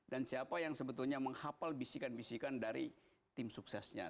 dan siapa yang sebetulnya menghapal bisikan bisikan dari tim suksesnya